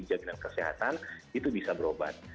jaminan kesehatan itu bisa berobat